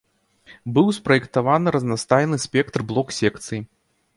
Быў спраектаваны разнастайны спектр блок-секцый.